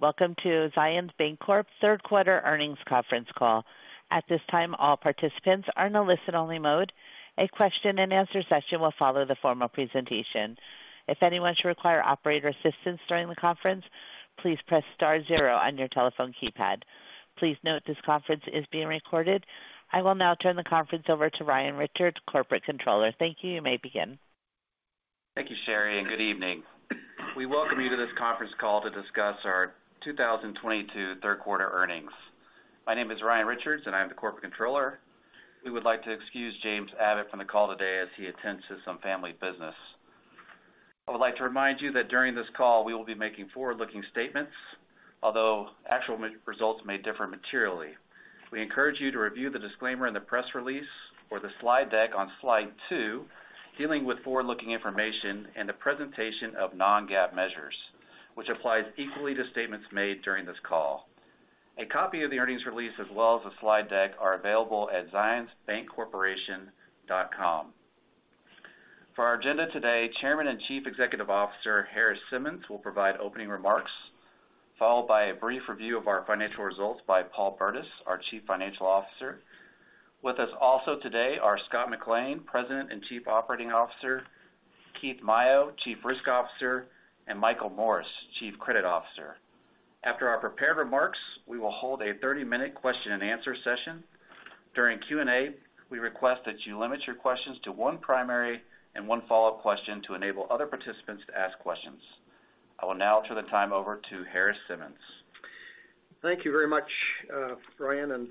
Welcome to Zions Bancorporation third quarter earnings conference call. At this time, all participants are in a listen only mode. A question-and-answer session will follow the formal presentation. If anyone should require operator assistance during the conference, please press star zero on your telephone keypad. Please note this conference is being recorded. I will now turn the conference over to Ryan Richards, Corporate Controller. Thank you. You may begin. Thank you, Sherry, and good evening. We welcome you to this conference call to discuss our 2022 third quarter earnings. My name is Ryan Richards, and I am the Corporate Controller. We would like to excuse James Abbott from the call today as he attends to some family business. I would like to remind you that during this call we will be making forward-looking statements, although actual results may differ materially. We encourage you to review the disclaimer in the press release or the slide deck on slide two, dealing with forward-looking information and the presentation of non-GAAP measures, which applies equally to statements made during this call. A copy of the earnings release as well as the slide deck are available at zionsbancorporation.com. For our agenda today, Chairman and Chief Executive Officer, Harris Simmons, will provide opening remarks, followed by a brief review of our financial results by Paul Burdiss, our Chief Financial Officer. With us also today are Scott McLean, President and Chief Operating Officer, Keith Maio, Chief Risk Officer, and Michael Morris, Chief Credit Officer. After our prepared remarks, we will hold a 30-minute question-and-answer session. During Q&A, we request that you limit your questions to one primary and one follow-up question to enable other participants to ask questions. I will now turn the time over to Harris Simmons. Thank you very much, Ryan, and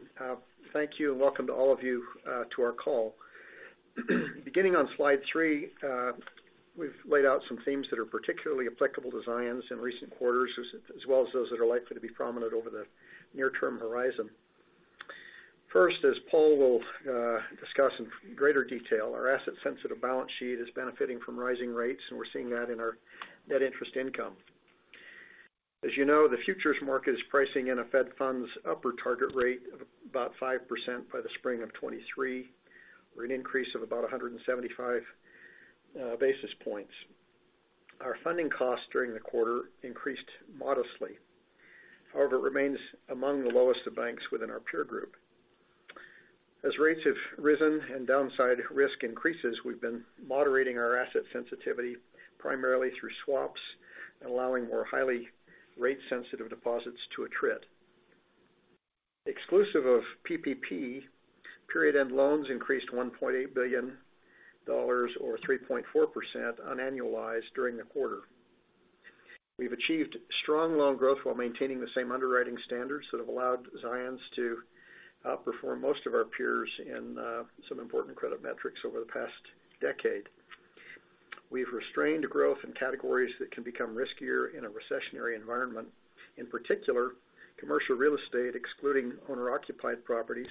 thank you and welcome to all of you to our call. Beginning on slide three, we've laid out some themes that are particularly applicable to Zions in recent quarters, as well as those that are likely to be prominent over the near-term horizon. First, as Paul will discuss in greater detail, our asset sensitive balance sheet is benefiting from rising rates, and we're seeing that in our net interest income. As you know, the futures market is pricing in a Fed funds upper target rate of about 5% by the spring of 2023, or an increase of about 175 basis points. Our funding costs during the quarter increased modestly. However, it remains among the lowest of banks within our peer group. As rates have risen and downside risk increases, we've been moderating our asset sensitivity primarily through swaps and allowing more highly rate sensitive deposits to attrit. Exclusive of PPP, period-end loans increased $1.8 billion or 3.4% unannualized during the quarter. We've achieved strong loan growth while maintaining the same underwriting standards that have allowed Zions to outperform most of our peers in some important credit metrics over the past decade. We've restrained growth in categories that can become riskier in a recessionary environment. In particular, commercial real estate, excluding owner-occupied properties,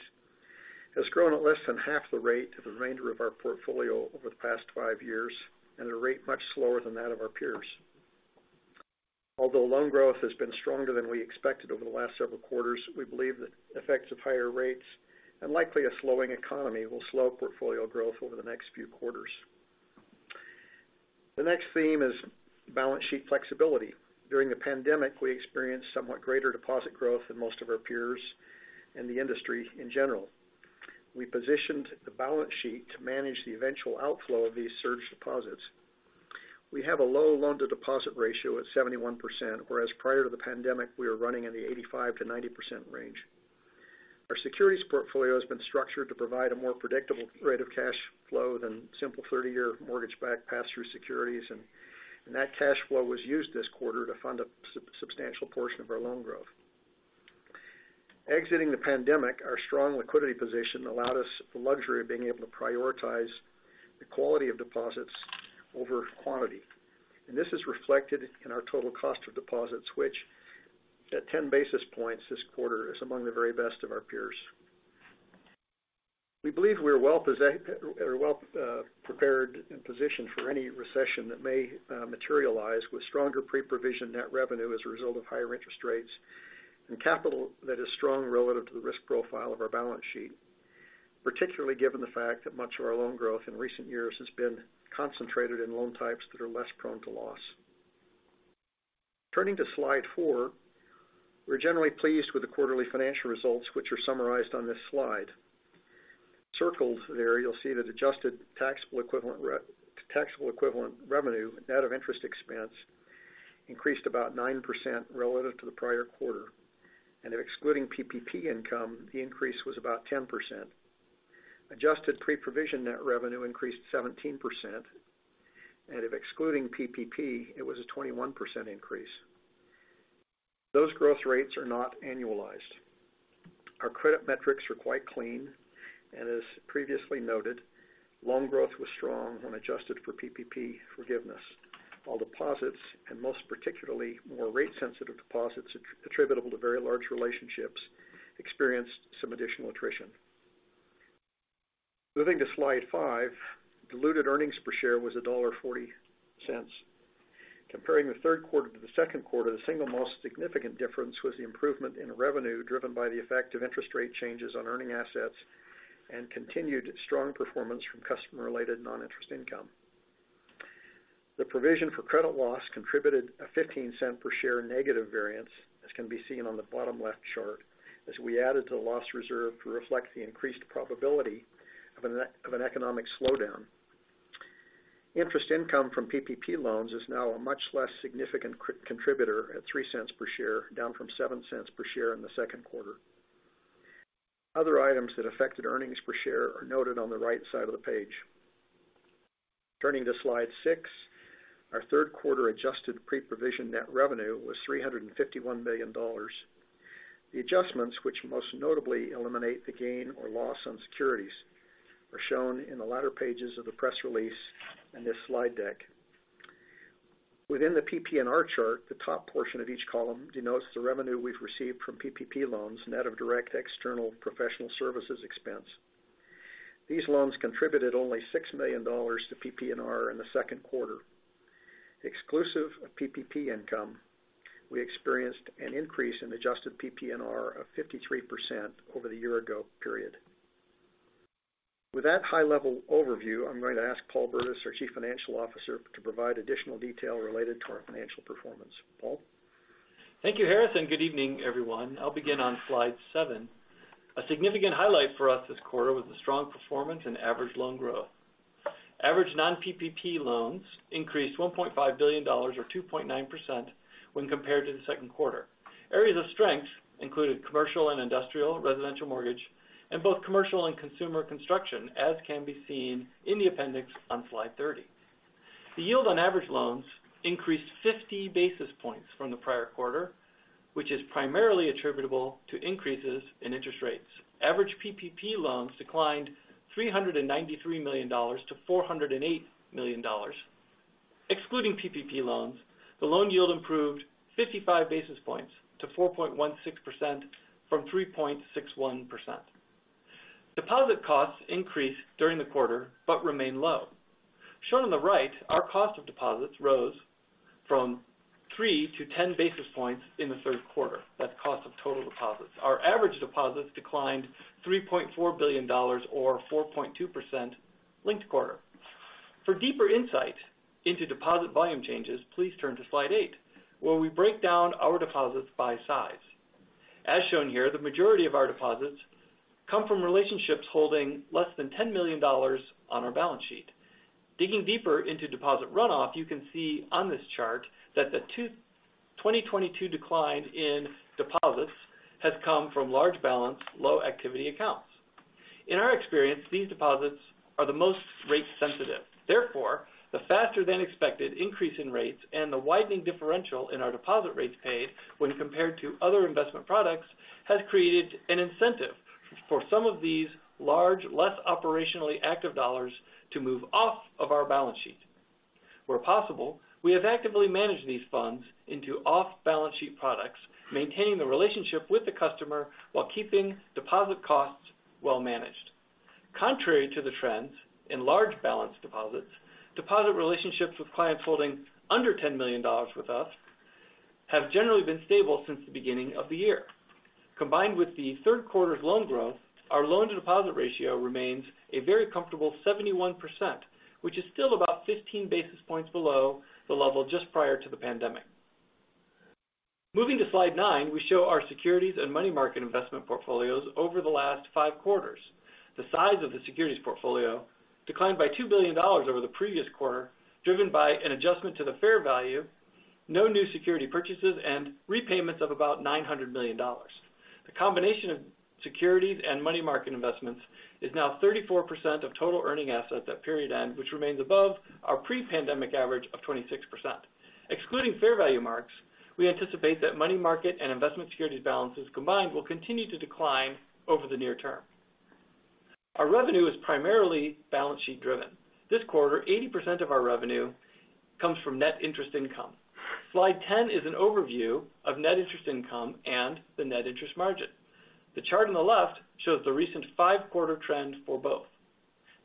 has grown at less than half the rate of the remainder of our portfolio over the past five years and at a rate much slower than that of our peers. Although loan growth has been stronger than we expected over the last several quarters, we believe the effects of higher rates and likely a slowing economy will slow portfolio growth over the next few quarters. The next theme is balance sheet flexibility. During the pandemic, we experienced somewhat greater deposit growth than most of our peers and the industry in general. We positioned the balance sheet to manage the eventual outflow of these surge deposits. We have a low loan-to-deposit ratio at 71%, whereas prior to the pandemic, we were running in the 85%-90% range. Our securities portfolio has been structured to provide a more predictable rate of cash flow than simple 30-year mortgage-backed pass-through securities, and that cash flow was used this quarter to fund a substantial portion of our loan growth. Exiting the pandemic, our strong liquidity position allowed us the luxury of being able to prioritize the quality of deposits over quantity. This is reflected in our total cost of deposits, which at 10 basis points this quarter is among the very best of our peers. We believe we are well prepared and positioned for any recession that may materialize with stronger pre-provision net revenue as a result of higher interest rates and capital that is strong relative to the risk profile of our balance sheet, particularly given the fact that much of our loan growth in recent years has been concentrated in loan types that are less prone to loss. Turning to slide four, we're generally pleased with the quarterly financial results, which are summarized on this slide. Circled there, you'll see that adjusted taxable equivalent revenue, net of interest expense, increased about 9% relative to the prior quarter. Excluding PPP income, the increase was about 10%. Adjusted pre-provision net revenue increased 17%, and if excluding PPP, it was a 21% increase. Those growth rates are not annualized. Our credit metrics are quite clean, and as previously noted, loan growth was strong when adjusted for PPP forgiveness, while deposits, and most particularly more rate sensitive deposits attributable to very large relationships, experienced some additional attrition. Moving to slide five, diluted earnings per share was $1.40. Comparing the third quarter to the second quarter, the single most significant difference was the improvement in revenue driven by the effect of interest rate changes on earning assets and continued strong performance from customer related non-interest income. The provision for credit loss contributed a $0.15 per share negative variance, as can be seen on the bottom left chart, as we added to the loss reserve to reflect the increased probability of an economic slowdown. Interest income from PPP loans is now a much less significant contributor at $0.03 per share, down from $0.07 per share in the second quarter. Other items that affected earnings per share are noted on the right side of the page. Turning to slide six. Our third quarter adjusted pre-provision net revenue was $351 million. The adjustments, which most notably eliminate the gain or loss on securities, are shown in the latter pages of the press release in this slide deck. Within the PPNR chart, the top portion of each column denotes the revenue we've received from PPP loans, net of direct external professional services expense. These loans contributed only $6 million to PPNR in the second quarter. Exclusive of PPP income, we experienced an increase in adjusted PPNR of 53% over the year ago period. With that high level overview, I'm going to ask Paul Burdiss, our Chief Financial Officer, to provide additional detail related to our financial performance. Paul? Thank you, Harris, and good evening, everyone. I'll begin on slide seven. A significant highlight for us this quarter was the strong performance in average loan growth. Average non-PPP loans increased $1.5 billion or 2.9% when compared to the second quarter. Areas of strength included commercial and industrial, residential mortgage, and both commercial and consumer construction, as can be seen in the appendix on slide 30. The yield on average loans increased 50 basis points from the prior quarter, which is primarily attributable to increases in interest rates. Average PPP loans declined $393 million to $408 million. Excluding PPP loans, the loan yield improved 55 basis points to 4.16% from 3.61%. Deposit costs increased during the quarter, but remain low. Shown on the right, our cost of deposits rose from 3 to 10 basis points in the third quarter. That's cost of total deposits. Our average deposits declined $3.4 billion or 4.2% linked quarter. For deeper insight into deposit volume changes, please turn to slide eight, where we break down our deposits by size. As shown here, the majority of our deposits come from relationships holding less than $10 million on our balance sheet. Digging deeper into deposit runoff, you can see on this chart that the 2022 d cline in deposits has come from large balance, low activity accounts. In our experience, these deposits are the most rate sensitive. Therefore, the faster than expected increase in rates and the widening differential in our deposit rates paid when compared to other investment products, has created an incentive for some of these large, less operationally active dollars to move off of our balance sheet. Where possible, we have actively managed these funds into off-balance-sheet products, maintaining the relationship with the customer while keeping deposit costs well managed. Contrary to the trends in large balance deposits, deposit relationships with clients holding under $10 million with us have generally been stable since the beginning of the year. Combined with the third quarter's loan growth, our loan-to-deposit ratio remains a very comfortable 71%, which is still about 15 basis points below the level just prior to the pandemic. Moving to slide nine, we show our securities and money market investment portfolios over the last five quarters. The size of the securities portfolio declined by $2 billion over the previous quarter, driven by an adjustment to the fair value, no new security purchases and repayments of about $900 million. The combination of securities and money market investments is now 34% of total earning assets at period end, which remains above our pre-pandemic average of 26%. Excluding fair value marks, we anticipate that money market and investment securities balances combined will continue to decline over the near term. Our revenue is primarily balance sheet driven. This quarter, 80% of our revenue comes from net interest income. Slide 10 is an overview of net interest income and the net interest margin. The chart on the left shows the recent five-quarter trend for both.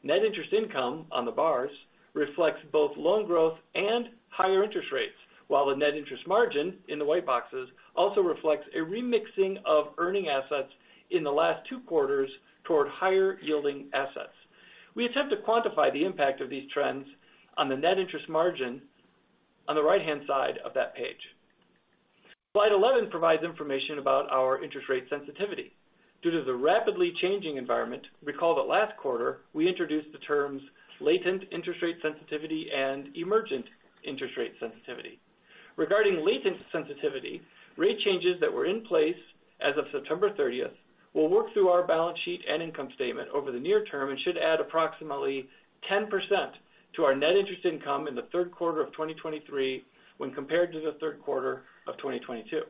Net interest income on the bars reflects both loan growth and higher interest rates, while the net interest margin in the white boxes also reflects a remixing of earning assets in the last two quarters toward higher yielding assets. We attempt to quantify the impact of these trends on the net interest margin on the right-hand side of that page. Slide 11 provides information about our interest rate sensitivity. Due to the rapidly changing environment, recall that last quarter we introduced the terms latent interest rate sensitivity and emergent interest rate sensitivity. Regarding latent sensitivity, rate changes that were in place as of September 30 will work through our balance sheet and income statement over the near term and should add approximately 10% to our net interest income in the third quarter of 2023 when compared to the third quarter of 2022.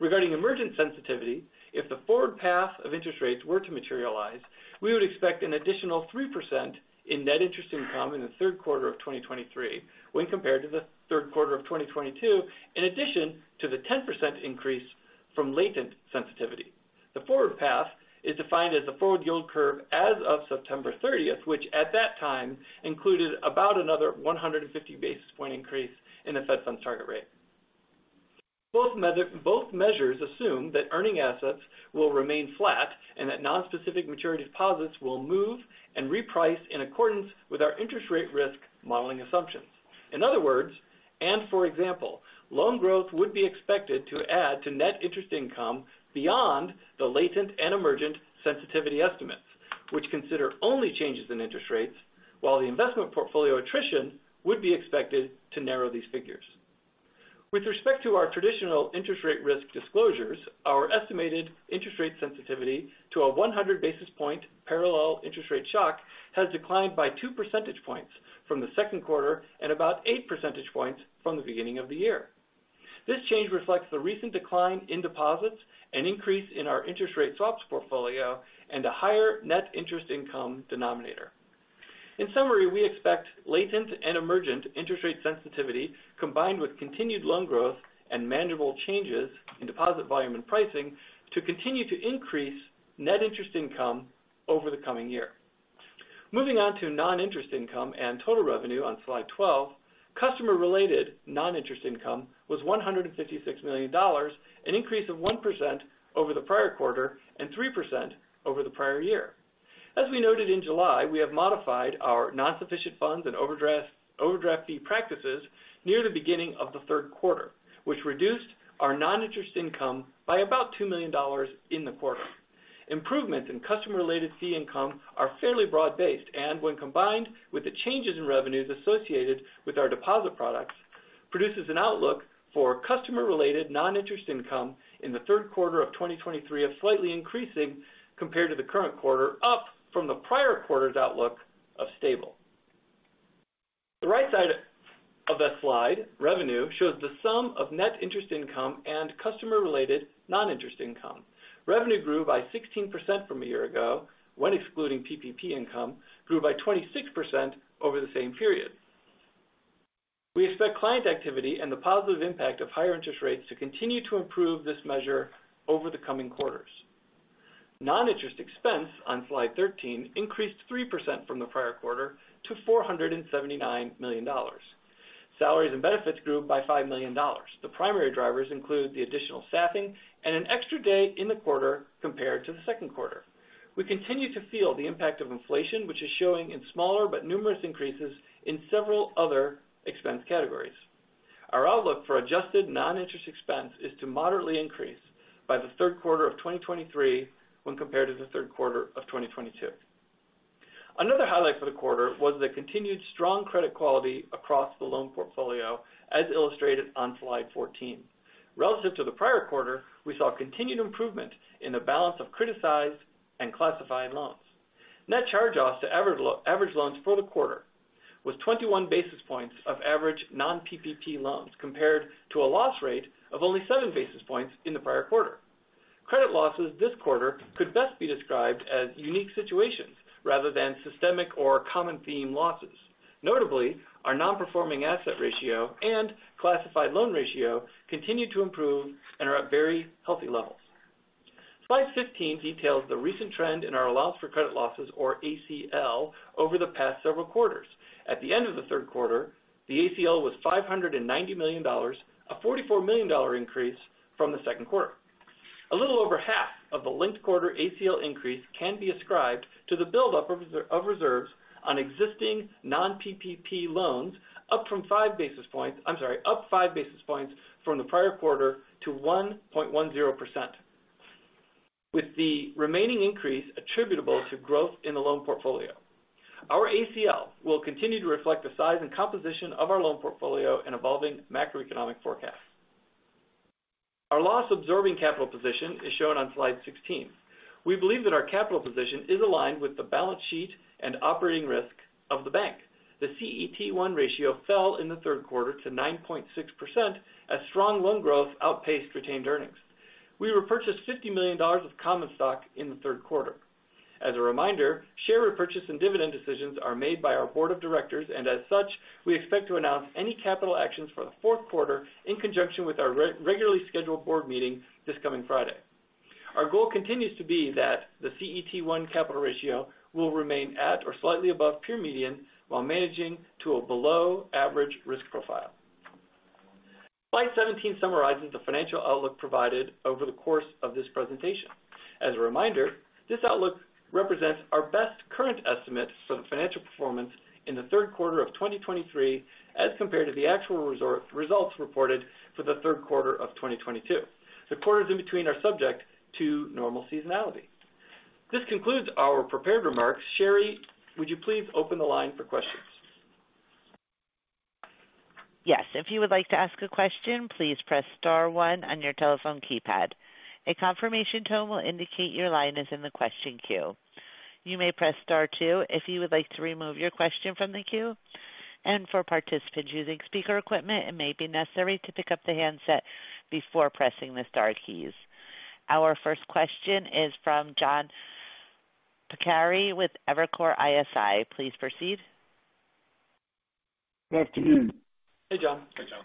Regarding emergent sensitivity, if the forward path of interest rates were to materialize, we would expect an additional 3% in net interest income in the third quarter of 2023 when compared to the third quarter of 2022, in addition to the 10% increase from latent sensitivity. The forward path is defined as the forward yield curve as of September thirtieth, which at that time included about another 150 basis point increase in the Fed funds target rate. Both measures assume that earning assets will remain flat and that nonspecific maturity deposits will move and reprice in accordance with our interest rate risk modeling assumptions. In other words, and for example, loan growth would be expected to add to net interest income beyond the latent and emergent sensitivity estimates, which consider only changes in interest rates while the investment portfolio attrition would be expected to narrow these figures. With respect to our traditional interest rate risk disclosures, our estimated interest rate sensitivity to a 100 basis point parallel interest rate shock has declined by 2 percentage points from the second quarter and about 8 percentage points from the beginning of the year. This change reflects the recent decline in deposits, an increase in our interest rate swaps portfolio, and a higher net interest income denominator. In summary, we expect latent and emergent interest rate sensitivity, combined with continued loan growth and manageable changes in deposit volume and pricing, to continue to increase net interest income over the coming year. Moving on to non-interest income and total revenue on slide 12. Customer related non-interest income was $156 million, an increase of 1% over the prior quarter and 3% over the prior year. As we noted in July, we have modified our non-sufficient funds and overdraft fee practices near the beginning of the third quarter, which reduced our non-interest income by about $2 million in the quarter. Improvements in customer related fee income are fairly broad-based, and when combined with the changes in revenues associated with our deposit products, produces an outlook for customer related non-interest income in the third quarter of 2023 of slightly increasing compared to the current quarter, up from the prior quarter's outlook of stable. The right side of that slide, revenue, shows the sum of net interest income and customer related non-interest income. Revenue grew by 16% from a year ago. When excluding PPP income, grew by 26% over the same period. We expect client activity and the positive impact of higher interest rates to continue to improve this measure over the coming quarters. Non-interest expense on slide 13 increased 3% from the prior quarter to $479 million. Salaries and benefits grew by $5 million. The primary drivers include the additional staffing and an extra day in the quarter compared to the second quarter. We continue to feel the impact of inflation, which is showing in smaller but numerous increases in several other expense categories. Our outlook for adjusted non-interest expense is to moderately increase by the third quarter of 2023 when compared to the third quarter of 2022. Another highlight for the quarter was the continued strong credit quality across the loan portfolio, as illustrated on slide 14. Relative to the prior quarter, we saw continued improvement in the balance of criticized and classified loans. Net charge-offs to average loans for the quarter was 21 basis points of average non-PPP loans compared to a loss rate of only 7 basis points in the prior quarter. Credit losses this quarter could best be described as unique situations rather than systemic or common theme losses. Notably, our non-performing asset ratio and classified loan ratio continued to improve and are at very healthy levels. Slide 15 details the recent trend in our allowance for credit losses, or ACL, over the past several quarters. At the end of the third quarter, the ACL was $590 million, a $44 million increase from the second quarter. A little over half of the linked quarter ACL increase can be ascribed to the buildup of reserves on existing non-PPP loans, up 5 basis points from the prior quarter to 1.10%, with the remaining increase attributable to growth in the loan portfolio. Our ACL will continue to reflect the size and composition of our loan portfolio and evolving macroeconomic forecasts. Our loss absorbing capital position is shown on slide 16. We believe that our capital position is aligned with the balance sheet and operating risk of the bank. The CET1 ratio fell in the third quarter to 9.6% as strong loan growth outpaced retained earnings. We repurchased $50 million of common stock in the third quarter. As a reminder, share repurchase and dividend decisions are made by our board of directors, and as such, we expect to announce any capital actions for the fourth quarter in conjunction with our re-regularly scheduled board meeting this coming Friday. Our goal continues to be that the CET1 capital ratio will remain at or slightly above peer median while managing to a below average risk profile. Slide 17 summarizes the financial outlook provided over the course of this presentation. As a reminder, this outlook represents our best current estimates for the financial performance in the third quarter of 2023, as compared to the actual results reported for the third quarter of 2022. The quarters in between are subject to normal seasonality. This concludes our prepared remarks. Sherry, would you please open the line for questions? Yes. If you would like to ask a question, please press star one on your telephone keypad. A confirmation tone will indicate your line is in the question queue. You may press star two if you would like to remove your question from the queue. For participants using speaker equipment, it may be necessary to pick up the handset before pressing the star keys. Our first question is from John Pancari with Evercore ISI. Please proceed. Good afternoon. Hey, John. Hey, John.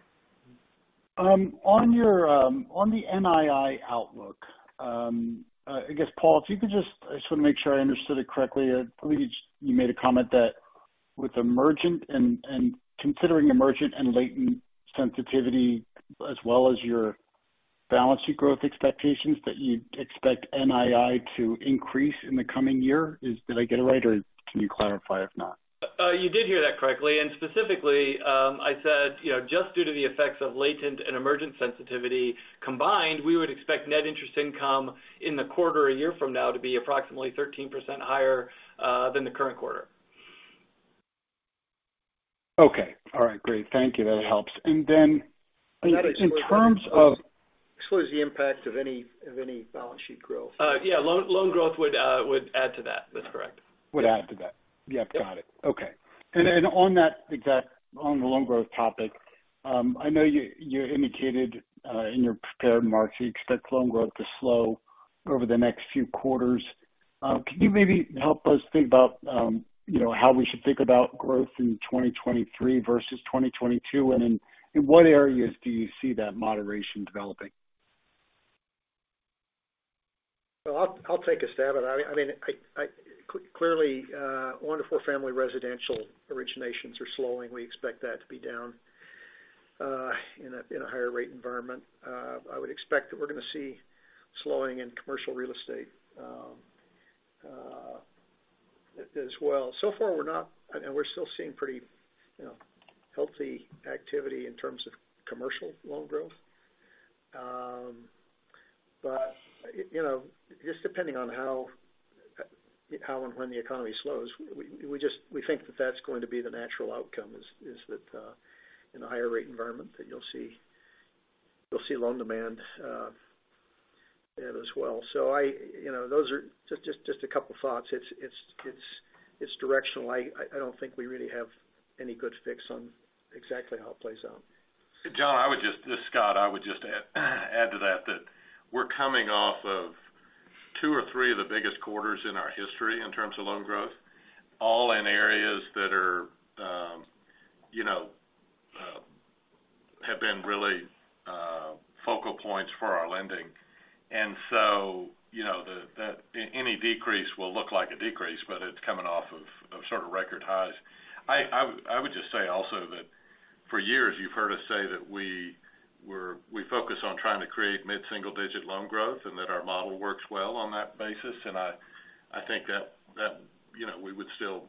On the NII outlook, I guess, Paul, I just want to make sure I understood it correctly. I believe you made a comment that Considering emergent and latent sensitivity as well as your balance sheet growth expectations that you expect NII to increase in the coming year, did I get it right or can you clarify if not? You did hear that correctly. Specifically, I said, you know, just due to the effects of latent and emergent sensitivity combined, we would expect net interest income in the quarter a year from now to be approximately 13% higher than the current quarter. Okay. All right, great. Thank you. That helps. In terms of- excludes the impact of any balance sheet growth. Yeah, loan growth would add to that. That's correct. Would add to that. Yeah. Got it. Okay. Then on the loan growth topic, I know you indicated in your prepared remarks you expect loan growth to slow over the next few quarters. Can you maybe help us think about, you know, how we should think about growth in 2023 versus 2022? In what areas do you see that moderation developing? Well, I'll take a stab at it. I mean, clearly, 1-4 family residential originations are slowing. We expect that to be down in a higher rate environment. I would expect that we're gonna see slowing in commercial real estate as well. So far we're not, and we're still seeing pretty, you know, healthy activity in terms of commercial loan growth. You know, just depending on how and when the economy slows, we just think that that's going to be the natural outcome, that in a higher rate environment you'll see loan demand as well. You know, those are just a couple thoughts. It's directional. I don't think we really have any good fix on exactly how it plays out. John, this is Scott. I would just add to that we're coming off of two or three of the biggest quarters in our history in terms of loan growth, all in areas that are, you know, have been really focal points for our lending. You know, that any decrease will look like a decrease, but it's coming off of sort of record highs. I would just say also that for years you've heard us say that we focus on trying to create mid-single-digit loan growth and that our model works well on that basis. I think that, you know, we would still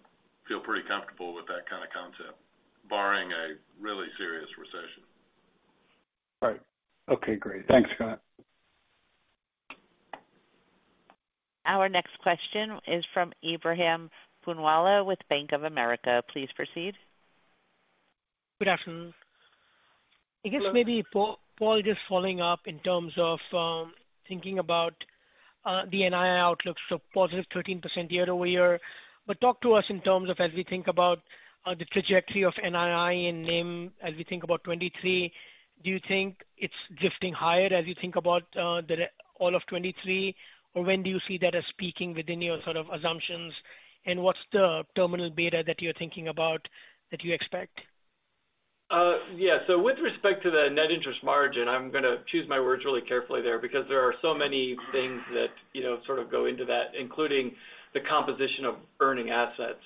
feel pretty comfortable with that kind of concept, barring a really serious recession. Right. Okay, great. Thanks, Scott. Our next question is from Ebrahim Poonawala with Bank of America. Please proceed. Good afternoon. I guess maybe, Paul, just following up in terms of, thinking about, the NII outlook, so positive 13% year-over-year. Talk to us in terms of as we think about, the trajectory of NII and NIM as we think about 2023, do you think it's drifting higher as you think about, all of 2023, or when do you see that as peaking within your sort of assumptions, and what's the terminal beta that you're thinking about that you expect? With respect to the net interest margin, I'm gonna choose my words really carefully there because there are so many things that, you know, sort of go into that, including the composition of earning assets.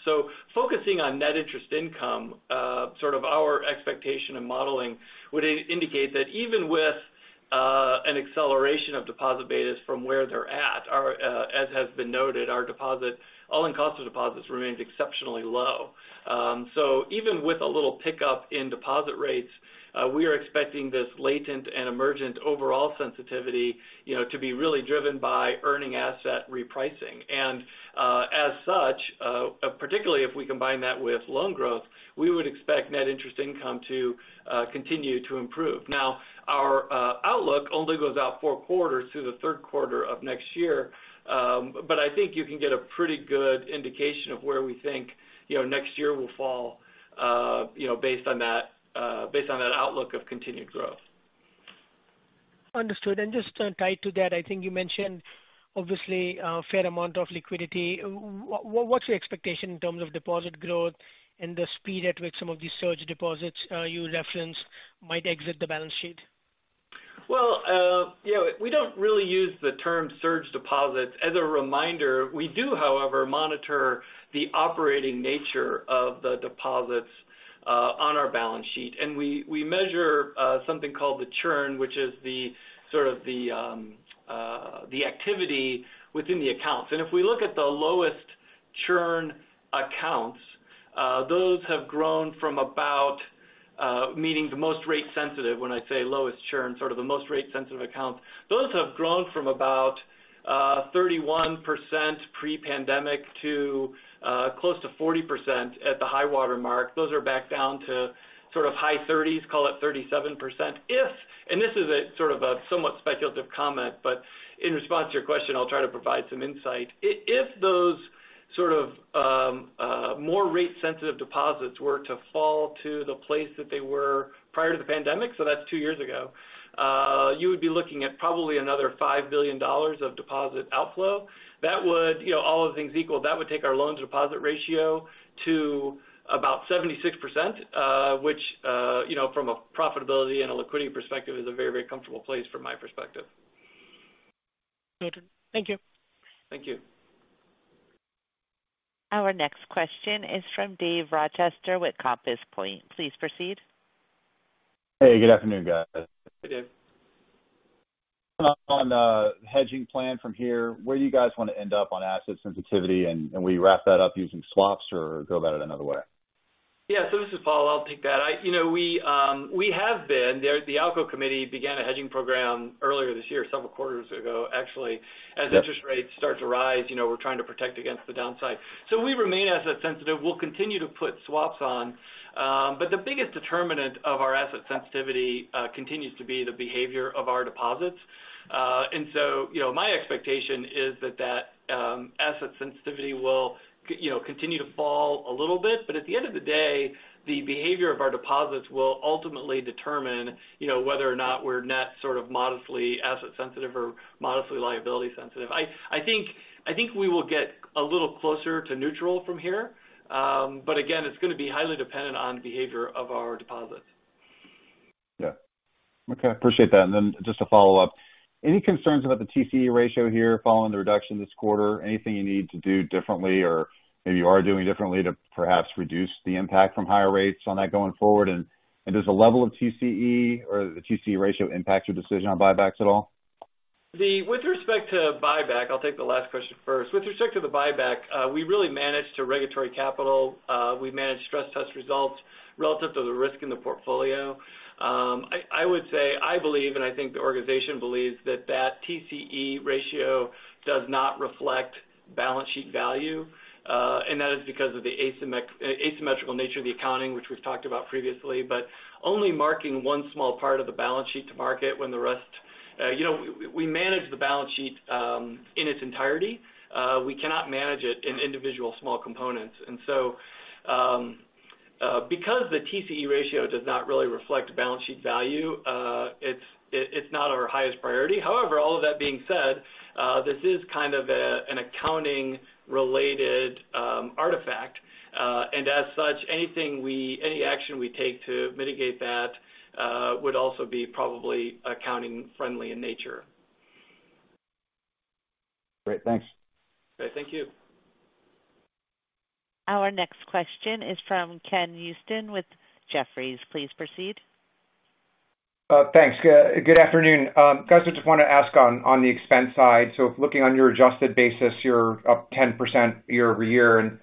Focusing on net interest income, sort of our expectation and modeling would indicate that even with an acceleration of deposit betas from where they're at, as has been noted, our deposit all-in cost of deposits remains exceptionally low. Even with a little pickup in deposit rates, we are expecting this latent and emergent overall sensitivity, you know, to be really driven by earning asset repricing. As such, particularly if we combine that with loan growth, we would expect net interest income to continue to improve. Now, our outlook only goes out four quarters through the third quarter of next year, but I think you can get a pretty good indication of where we think, you know, next year will fall, you know, based on that outlook of continued growth. Understood. Just tied to that, I think you mentioned obviously a fair amount of liquidity. What's your expectation in terms of deposit growth and the speed at which some of these surge deposits you referenced might exit the balance sheet? Well, you know, we don't really use the term surge deposits. As a reminder, we do, however, monitor the operating nature of the deposits on our balance sheet. We measure something called the churn, which is sort of the activity within the accounts. If we look at the lowest churn accounts, those have grown from about 31% pre-pandemic to close to 40% at the high water mark. Those are back down to sort of high thirties, call it 37%. If, and this is a sort of a somewhat speculative comment, but in response to your question, I'll try to provide some insight. If those sort of more rate sensitive deposits were to fall to the place that they were prior to the pandemic, so that's two years ago, you would be looking at probably another $5 billion of deposit outflow. That would, you know, all other things equal, take our loan-to-deposit ratio to about 76%, which, you know, from a profitability and a liquidity perspective is a very, very comfortable place from my perspective. Noted. Thank you. Thank you. Our next question is from Dave Rochester with Compass Point. Please proceed. Hey, good afternoon, guys. Hey, Dave. On the hedging plan from here, where do you guys want to end up on asset sensitivity? Will you wrap that up using swaps or go about it another way? Yeah. This is Paul. I'll take that. You know we have been. The ALCO committee began a hedging program earlier this year, several quarters ago, actually. Yeah. As interest rates start to rise, you know, we're trying to protect against the downside. We remain asset sensitive. We'll continue to put swaps on. The biggest determinant of our asset sensitivity continues to be the behavior of our deposits. My expectation is that asset sensitivity will, you know, continue to fall a little bit, but at the end of the day, the behavior of our deposits will ultimately determine, you know, whether or not we're net sort of modestly asset sensitive or modestly liability sensitive. I think we will get a little closer to neutral from here. Again, it's going to be highly dependent on the behavior of our deposits. Yeah. Okay. Appreciate that. Just to follow up, any concerns about the TCE ratio here following the reduction this quarter? Anything you need to do differently or maybe you are doing differently to perhaps reduce the impact from higher rates on that going forward? Does the level of TCE or the TCE ratio impact your decision on buybacks at all? With respect to buyback, I'll take the last question first. With respect to the buyback, we really manage our regulatory capital. We manage stress test results relative to the risk in the portfolio. I would say, I believe, and I think the organization believes that that TCE ratio does not reflect balance sheet value, and that is because of the asymmetrical nature of the accounting, which we've talked about previously, but only marking one small part of the balance sheet to market when the rest, you know, we manage the balance sheet in its entirety. We cannot manage it in individual small components. Because the TCE ratio does not really reflect balance sheet value, it's not our highest priority. However, all of that being said, this is kind of an accounting-related artifact. As such, any action we take to mitigate that would also be probably accounting-friendly in nature. Great. Thanks. Okay. Thank you. Our next question is from Ken Usdin with Jefferies. Please proceed. Thanks. Good afternoon. Guys, I just want to ask on the expense side. Looking on your adjusted basis, you're up 10% year-over-year and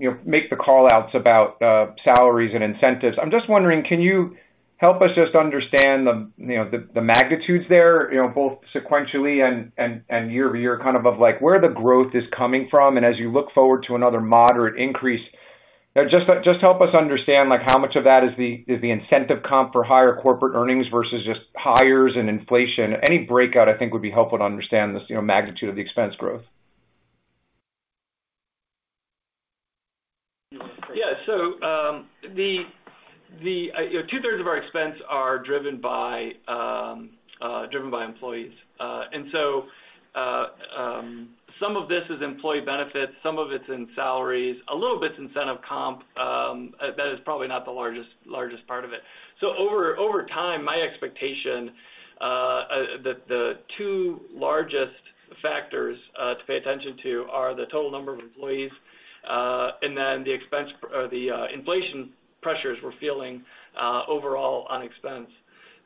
you know, make the call-outs about salaries and incentives. I'm just wondering, can you help us just understand the magnitudes there, you know, both sequentially and year-over-year kind of like where the growth is coming from, and as you look forward to another moderate increase. Just help us understand, like how much of that is the incentive comp for higher corporate earnings versus just hires and inflation. Any breakout I think would be helpful to understand this magnitude of the expense growth. Yeah. You know, two-thirds of our expense are driven by employees. Some of this is employee benefits, some of it's in salaries, a little bit's incentive comp, that is probably not the largest part of it. Over time, my expectation, the two largest factors to pay attention to are the total number of employees, and then the expense or the inflation pressures we're feeling overall on expense.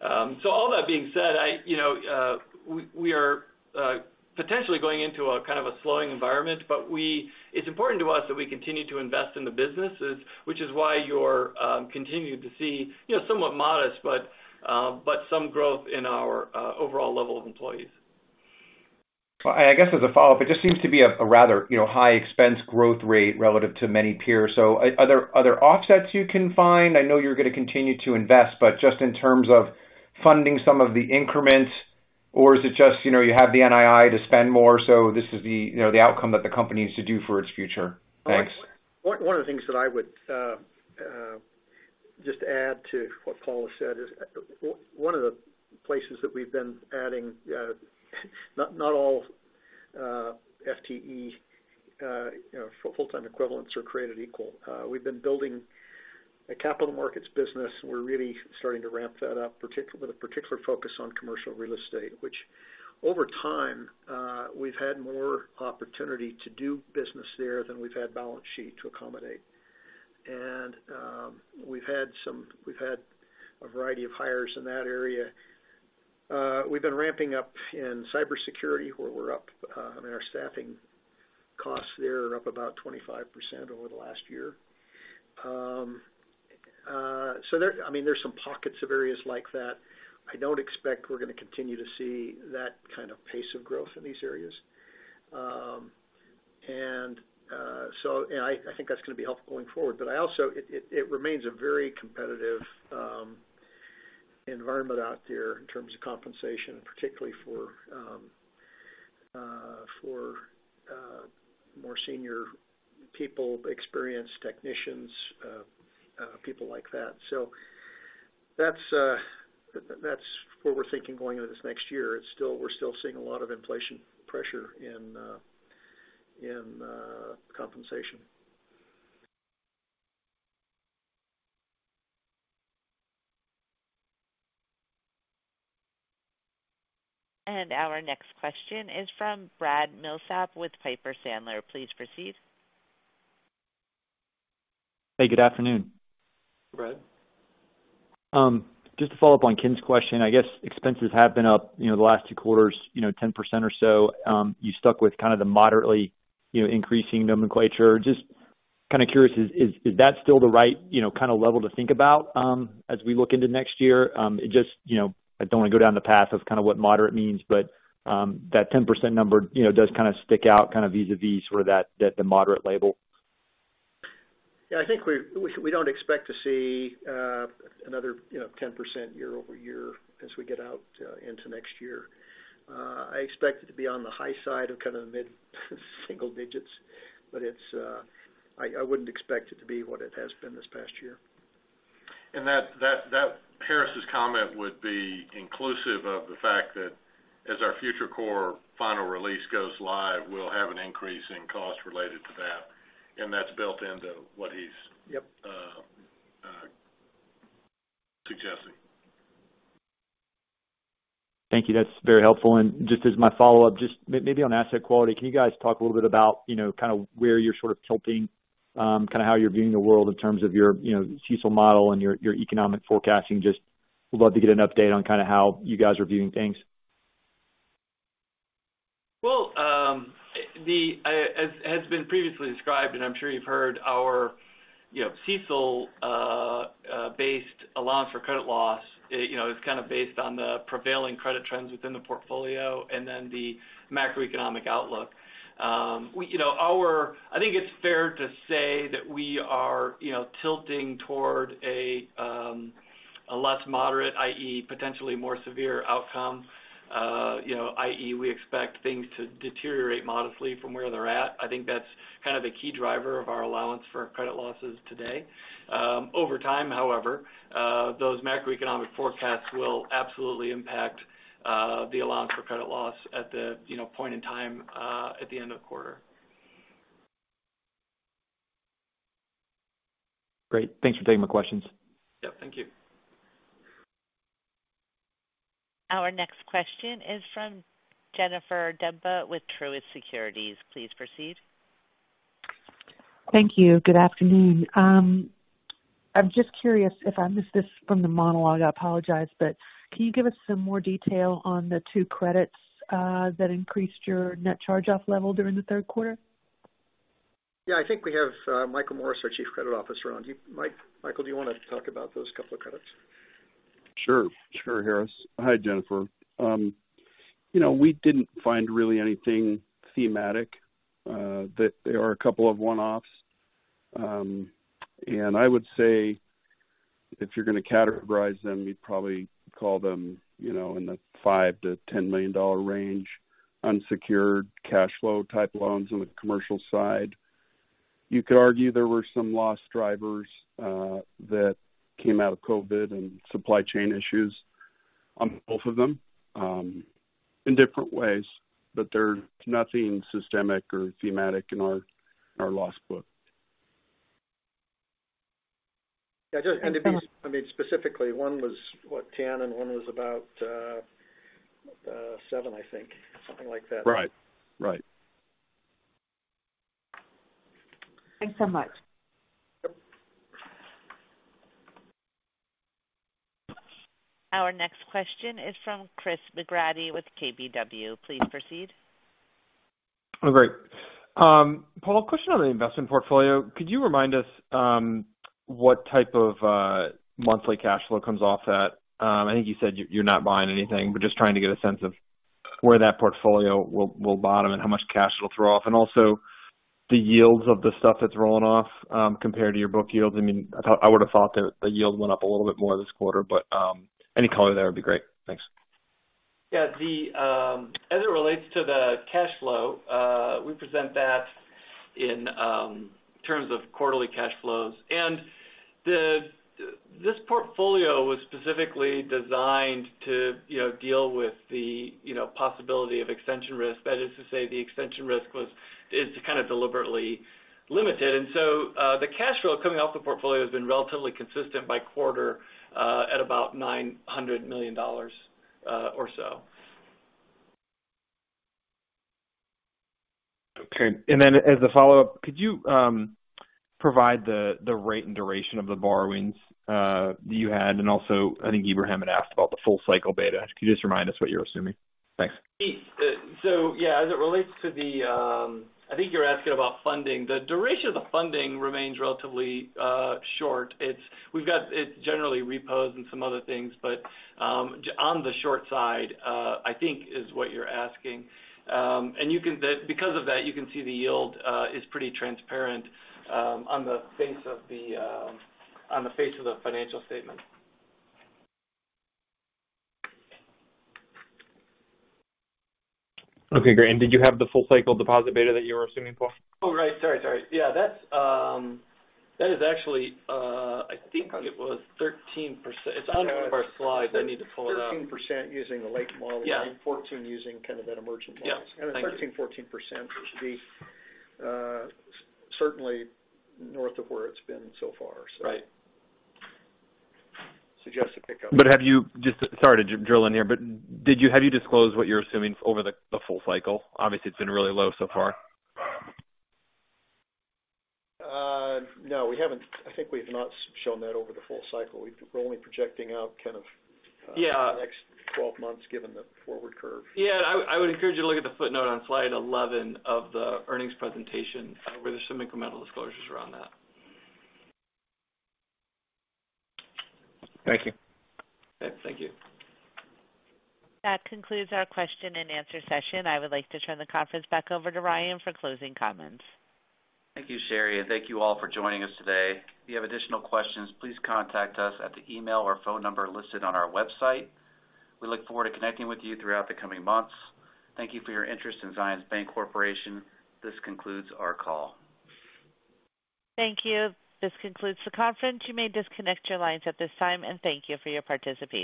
All that being said, you know, we are potentially going into a kind of a slowing environment, but it's important to us that we continue to invest in the business, which is why you're continuing to see, you know, somewhat modest, but some growth in our overall level of employees. I guess as a follow-up, it just seems to be a rather, you know, high expense growth rate relative to many peers. So are there offsets you can find? I know you're going to continue to invest, but just in terms of funding some of the increments, or is it just, you know, you have the NII to spend more, so this is the, you know, the outcome that the company needs to do for its future? Thanks. One of the things that I would just add to what Paul has said is one of the places that we've been adding, not all FTE, you know, full-time equivalents are created equal. We've been building a capital markets business. We're really starting to ramp that up, with a particular focus on commercial real estate, which over time we've had more opportunity to do business there than we've had balance sheet to accommodate. We've had a variety of hires in that area. We've been ramping up in cybersecurity, where we're up, I mean, our staffing costs there are up about 25% over the last year. I mean, there's some pockets of areas like that. I don't expect we're going to continue to see that kind of pace of growth in these areas. I think that's going to be helpful going forward. It remains a very competitive environment out there in terms of compensation, particularly for more senior people, experienced technicians, people like that. That's what we're thinking going into this next year. We're still seeing a lot of inflation pressure in compensation. Our next question is from Brad Milsaps with Piper Sandler. Please proceed. Hey, good afternoon. Brad. Just to follow up on Ken Usdin's question. I guess expenses have been up, you know, the last two quarters, you know, 10% or so. You stuck with kind of the moderately, you know, increasing nomenclature. Just kind of curious, is that still the right, you know, kind of level to think about as we look into next year? It just, you know, I don't want to go down the path of kind of what moderate means, but that 10% number, you know, does kind of stick out kind of vis-a-vis sort of that, the moderate label. Yeah, I think we don't expect to see another, you know, 10% year-over-year as we get out into next year. I expect it to be on the high side of kind of mid single digits, but I wouldn't expect it to be what it has been this past year. That Harris's comment would be inclusive of the fact that as our future core final release goes live, we'll have an increase in cost related to that, and that's built into what he's Yep. suggesting. Thank you. That's very helpful. Just as my follow-up, just maybe on asset quality, can you guys talk a little bit about, you know, kind of where you're sort of tilting, kind of how you're viewing the world in terms of your, you know, CECL model and your economic forecasting? Just would love to get an update on kind of how you guys are viewing things. Well, as has been previously described, and I'm sure you've heard, our CECL-based allowance for credit loss, you know, is kind of based on the prevailing credit trends within the portfolio and then the macroeconomic outlook. You know, I think it's fair to say that we are, you know, tilting toward a less moderate, i.e., potentially more severe outcome, you know, i.e., we expect things to deteriorate modestly from where they're at. I think that's kind of the key driver of our allowance for credit losses today. Over time, however, those macroeconomic forecasts will absolutely impact the allowance for credit loss at the, you know, point in time at the end of the quarter. Great. Thanks for taking my questions. Yep, thank you. Our next question is from Jennifer Demba with Truist Securities. Please proceed. Thank you. Good afternoon. I'm just curious if I missed this from the monologue. I apologize, but can you give us some more detail on the two credits that increased your net charge-off level during the third quarter? Yeah, I think we have Michael Morris, our Chief Credit Officer, on. Do you, Mike, Michael, want to talk about those couple of credits? Sure, sure, Harris. Hi, Jennifer. You know, we didn't find really anything thematic that there are a couple of one-offs. I would say if you're gonna categorize them, you'd probably call them, you know, in the $5 million-$10 million range, unsecured cash flow type loans on the commercial side. You could argue there were some loss drivers that came out of COVID and supply chain issues on both of them in different ways, but there's nothing systemic or thematic in our loss book. Yeah. Just had to be Okay. I mean, specifically, one was, what? 10, and one was about, seven, I think. Something like that. Right. Right. Thanks so much. Yep. Our next question is from Chris McGratty with KBW. Please proceed. Oh, great. Paul, a question on the investment portfolio. Could you remind us what type of monthly cash flow comes off that? I think you said you're not buying anything, but just trying to get a sense of where that portfolio will bottom and how much cash it'll throw off. Also the yields of the stuff that's rolling off, compared to your book yields. I mean, I thought, I would've thought that the yield went up a little bit more this quarter, but any color there would be great. Thanks. Yeah. As it relates to the cash flow, we present that in terms of quarterly cash flows. This portfolio was specifically designed to, you know, deal with the, you know, possibility of extension risk. That is to say the extension risk was, is kind of deliberately limited. The cash flow coming off the portfolio has been relatively consistent by quarter, at about $900 million, or so. Okay. As a follow-up, could you provide the rate and duration of the borrowings you had? I think Ebrahim had asked about the full cycle beta. Could you just remind us what you're assuming? Thanks. Yeah, as it relates to the, I think you're asking about funding. The duration of the funding remains relatively short. We've got it generally repos and some other things. On the short side, I think is what you're asking. Because of that, you can see the yield is pretty transparent on the face of the financial statement. Okay, great. Did you have the full cycle deposit beta that you were assuming, Paul? Oh, right. Sorry. Yeah, that's, that is actually, I think it was 13%. It's on one of our slides. I need to pull it up. 13% using the lake model. Yeah. 14 using kind of that emerging model. Yeah. Thank you. At 13%-14%, which is certainly north of where it's been so far. Right. Suggests a pickup. Sorry to drill in here, but have you disclosed what you're assuming over the full cycle? Obviously, it's been really low so far. No, we haven't. I think we've not shown that over the full cycle. We're only projecting out kind of- Yeah. the next 12 months given the forward curve. Yeah. I would encourage you to look at the footnote on slide 11 of the earnings presentation, where there's some incremental disclosures around that. Thank you. Yeah. Thank you. That concludes our question and answer session. I would like to turn the conference back over to Ryan for closing comments. Thank you, Sherry, and thank you all for joining us today. If you have additional questions, please contact us at the email or phone number listed on our website. We look forward to connecting with you throughout the coming months. Thank you for your interest in Zions Bancorporation. This concludes our call. Thank you. This concludes the conference. You may disconnect your lines at this time, and thank you for your participation.